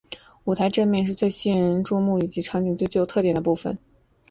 舞台正面是最引人注目以及剧场最具有特点的部分。